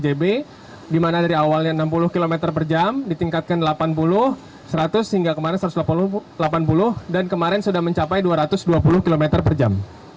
dimana dari awalnya enam puluh km per jam ditingkatkan delapan puluh seratus hingga kemarin satu ratus delapan puluh dan kemarin sudah mencapai dua ratus dua puluh km per jam